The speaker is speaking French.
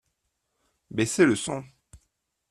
Baissez le son.